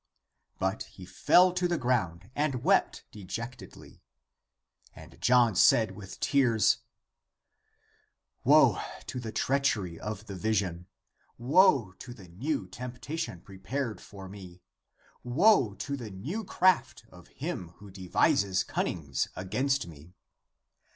But he fell to the ground and wept dejectedly. And John said with tears, " Woe to the treachery ACTS OF JOHN 139 of the vision, woe to the new temptation prepared for me, woe to the new craft of him who devises cunnings against me!